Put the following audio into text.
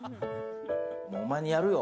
お前にやるよ！